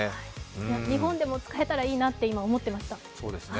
日本でも使えたらいいなと今思ってました。